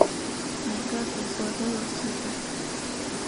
每个角色都有戏份